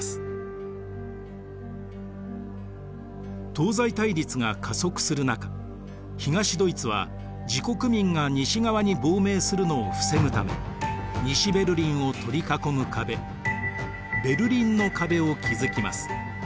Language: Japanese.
東西対立が加速する中東ドイツは自国民が西側に亡命するのを防ぐため西ベルリンを取り囲む壁ベルリンの壁を築きます。